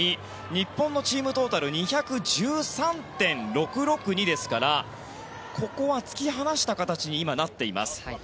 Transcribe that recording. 日本のチームトータル２１３．６６２ですからここは突き放した形になっています。